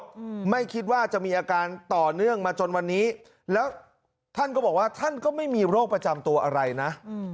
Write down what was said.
อืมไม่คิดว่าจะมีอาการต่อเนื่องมาจนวันนี้แล้วท่านก็บอกว่าท่านก็ไม่มีโรคประจำตัวอะไรนะอืม